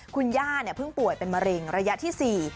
คุณย่าเพิ่งป่วยเป็นมะเร็งระยะที่๔